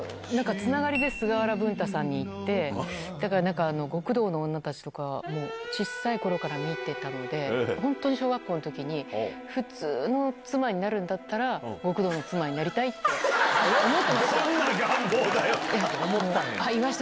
つながりで菅原文太さんにいってだから極道の妻たちとか、もう、ちっさいころから見てたので、本当に小学校のときに、普通の妻になるんだったら、極道の妻になりたいって思ってました。